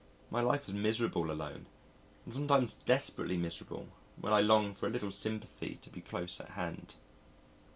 My life is miserable alone, and sometimes desperately miserable when I long for a little sympathy to be close at hand.